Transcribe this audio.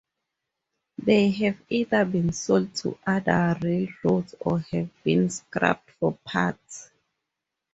They have either been sold to other railroads or have been scrapped for parts.